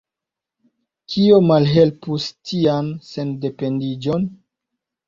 Kio malhelpus tian sendependiĝon?